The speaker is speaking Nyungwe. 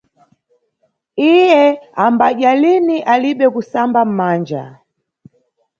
Iye ambadya lini alibe kusamba manja.